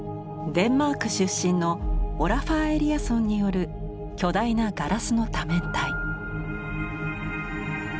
デンマーク出身のオラファー・エリアソンによる巨大なガラスの多面体。